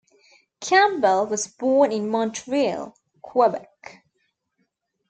Campbell was born in Montreal, Quebec.